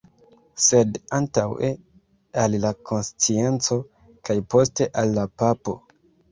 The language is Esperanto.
Sed antaŭe al la konscienco kaj poste al la papo”.